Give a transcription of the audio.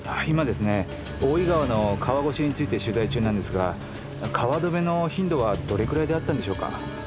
今大井川の川越しについて取材中なんですが川留めの頻度はどれくらいであったんでしょうか？